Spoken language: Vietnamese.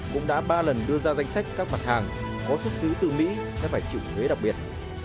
cũng đã ba lần đưa ra danh sách các mặt hàng có xuất xứ từ mỹ sẽ phải chịu thuế đặc biệt